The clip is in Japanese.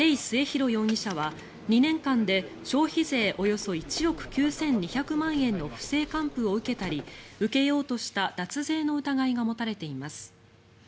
末広容疑者は２年間で消費税およそ１億９２００万円の不正還付を受けたり受けようとした脱税の疑いが持たれています。